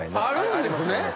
あるんですね？